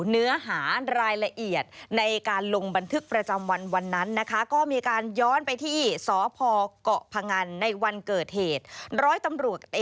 เนื้อหารายละเอียดในการลงบันทึกประจำวันนั้นนะคะ